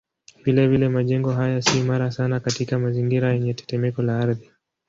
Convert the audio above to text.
Vilevile majengo haya si imara sana katika mazingira yenye tetemeko la ardhi.